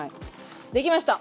できました。